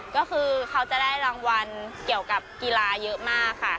ก็คือเขาจะได้รางวัลเกี่ยวกับกีฬาเยอะมากค่ะ